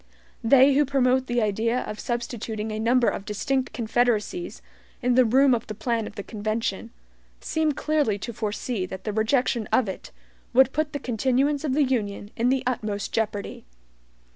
They who promote the idea of substituting a number of distinct confederacies in the room of the plan of the convention, seem clearly to foresee that the rejection of it would put the continuance of the Union in the utmost jeopardy.